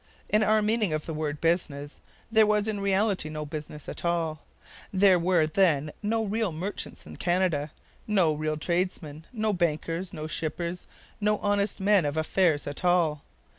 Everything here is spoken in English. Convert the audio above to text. In our meaning of the word 'business' there was in reality no business at all. There were then no real merchants in Canada, no real tradesmen, no bankers, no shippers, no honest men of affairs at all.